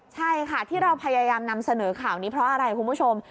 ใช่ค่ะที่เราพยายามนำเสนอข่าวนี้เพราะอะไรคุณผู้ชม